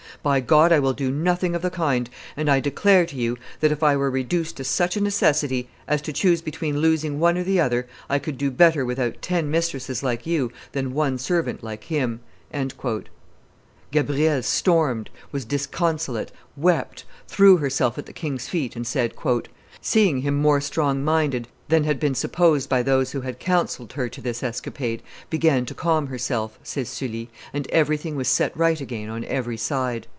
By God, I will do nothing of the kind, and I declare to you that if I were reduced to such a necessity as to choose between losing one or the other, I could better do without ten mistresses like you than one servant like him." Gabrielle stormed, was disconsolate, wept, threw herself at the king's feet, and, "seeing him more strong minded than had been supposed by those who had counselled her to this escapade, began to calm herself," says Sully, "and everything was set right again on every side."